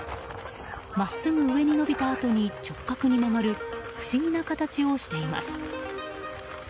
真っすぐ上に伸びたあとに直角に曲がる不思議な形をしています。